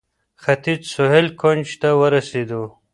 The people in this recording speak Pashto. ختیځ سهیل کونج ته ورسېدو.